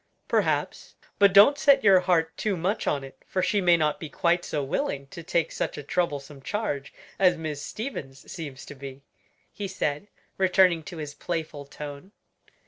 "Perhaps; but don't set your heart too much on it, for she may not be quite so willing to take such a troublesome charge as Miss Stevens seems to be," he said, returning to his playful tone.